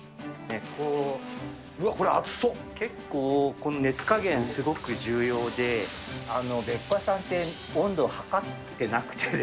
うわっ、これ、結構、熱加減、すごく重要で、べっ甲屋さんって、温度を測ってなくて。